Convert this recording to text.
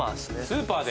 スーパー！？